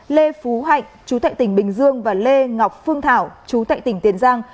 lê phú hạnh chú tại tỉnh bình dương và lê ngọc phương thảo chú tại tỉnh tiền giang